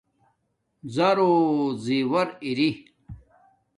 زارݸ زیݸر اری